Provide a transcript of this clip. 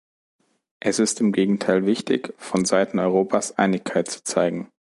Es ist im Gegenteil wichtig, von Seiten Europas Einigkeit zu zeigen.